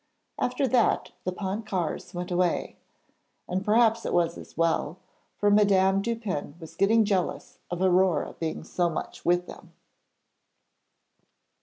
After that the Pontcarrés went away, and perhaps it was as well, for Madame Dupin was getting jealous of Aurore being so much with them.